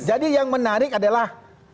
jadi yang menarik adalah